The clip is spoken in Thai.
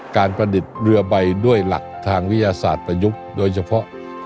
ประดิษฐ์เรือใบด้วยหลักทางวิทยาศาสตร์ประยุกต์โดยเฉพาะ